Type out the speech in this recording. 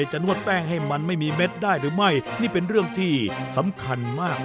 นวดแป้งให้มันไม่มีเม็ดได้หรือไม่นี่เป็นเรื่องที่สำคัญมาก